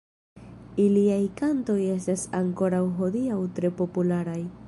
Iliaj kantoj estas ankoraŭ hodiaŭ tre popularaj.